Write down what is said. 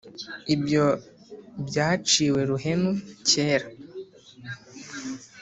ibyo byaciwe ruhenu kera